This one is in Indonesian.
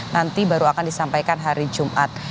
nanti baru akan disampaikan hari jumat